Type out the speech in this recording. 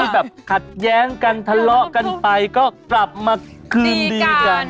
แบบขัดแย้งกันทะเลาะกันไปก็กลับมาคืนดีกัน